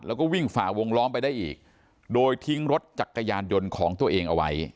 แล้วก็วิ่งฝ่าวงล้อมไปได้อีกโดยทิ้งรถจักรยานยนต์ของตัวเองเอาไว้